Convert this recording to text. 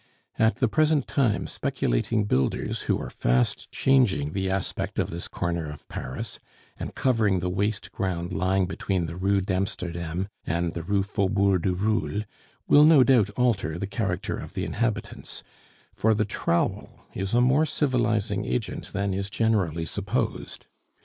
At the present time speculating builders, who are fast changing the aspect of this corner of Paris, and covering the waste ground lying between the Rue d'Amsterdam and the Rue Faubourg du Roule, will no doubt alter the character of the inhabitants; for the trowel is a more civilizing agent than is generally supposed.